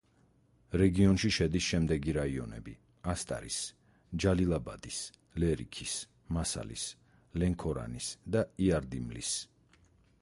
რეგიონში შედის შემდეგი რაიონები: ასტარის, ჯალილაბადის, ლერიქის, მასალის, ლენქორანის და იარდიმლის.